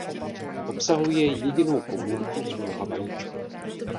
Obsahuje jedinou komůrku s mnoha vajíčky.